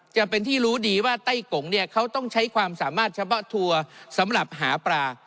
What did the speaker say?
จะเป็นที่รู้ดีว่าไต้กงเนี่ยเขาต้องใช้ความสามารถเฉพาะทัวร์สำหรับหาปลา